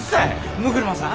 六車さん